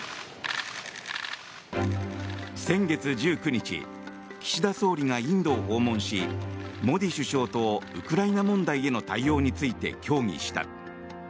先月１９日、岸田総理がインドを訪問しモディ首相とウクライナ問題への対応について協議した。